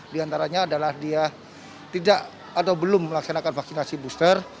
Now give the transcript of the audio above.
di antaranya adalah dia tidak atau belum melaksanakan vaksinasi booster